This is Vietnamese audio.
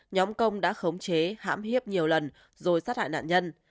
nhóm công đã khống chế hãm hiếp nhiều lần rồi sát hại nạn nhân